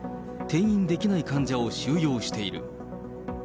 転院できない患者を収容している。